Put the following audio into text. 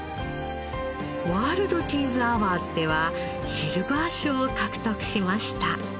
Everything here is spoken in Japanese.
ワールドチーズアワーズではシルバー賞を獲得しました。